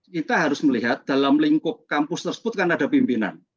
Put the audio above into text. kita harus melihat dalam lingkup kampus tersebut kan ada pimpinan